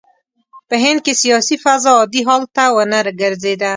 په هند کې سیاسي فضا عادي حال ته ونه ګرځېده.